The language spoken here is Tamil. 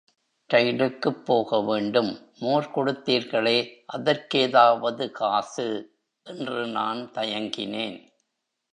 ரயிலுக்குப் போகவேண்டும், மோர் கொடுத்தீர்களே, அதற்கேதாவது காசு... என்று நான் தயங்கினேன்.